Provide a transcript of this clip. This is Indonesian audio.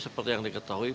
seperti yang diketahui